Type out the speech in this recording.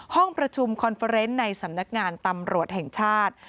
ห้องประชุมคอนเฟอร์เนนต์ในสำนักงานตำรวจแห่งชาติ